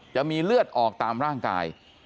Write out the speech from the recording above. จะมีเลือดออกตามร่างกาย